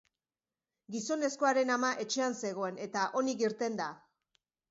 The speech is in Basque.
Gizonezkoaren ama etxean zegoen eta onik irten da.